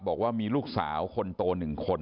บอกว่ามีลูกสาวคนโต๑คน